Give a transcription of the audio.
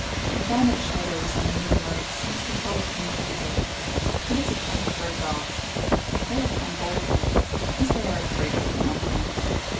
A band of shadows in the moonlight seems to fall upon the water. It is a pack of red dogs; they have come boldly, as they are afraid of nothing.